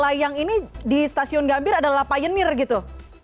layang ini di stasiun gambir adalah payen mir gitu